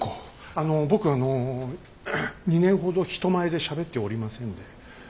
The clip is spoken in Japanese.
あの僕あの２年ほど人前でしゃべっておりませんで。